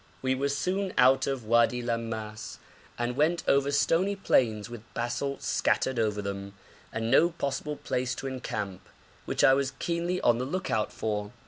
We were soon out of Wadi Lammas, and went over stony plains with basalt scattered over them, and no possible place to encamp, which I was keenly on the look out for.